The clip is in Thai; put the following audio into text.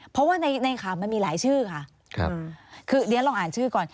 เพราะว่าในข่าวมันมีหลายชื่อค่ะคือเรียนลองอ่านชื่อก่อน